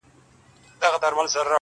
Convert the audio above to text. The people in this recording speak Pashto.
• د ښکاري د تور په منځ کي ګرځېدلې -